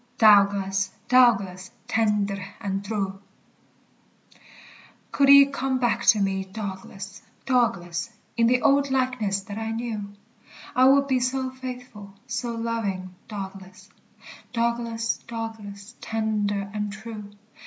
"Dowglas, Dowglas, tendir and treu." Could ye come back to me, Douglas, Douglas, In the old likeness that I knew, I would be so faithful, so loving, Douglas, Douglas, Douglas, tender and true.